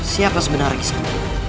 siapa sebenarnya kisana